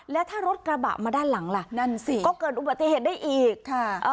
และถ้ารถกระบะมาด้านหลังล่ะก็เกิดอุบัติเหตุได้อีก